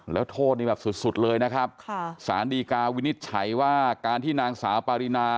แล้วโทษนี่แบบสุดสุดเลยนะครับค่ะสารดีกาวินิจฉัยว่าการที่นางสาวปารินา